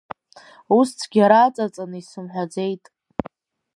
Ус цәгьара аҵаҵаны исымҳәаӡеит.